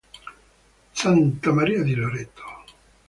Santa Maria di Loreto